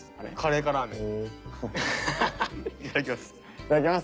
いただきます。